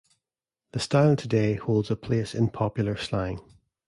The style today holds a place in popular slang.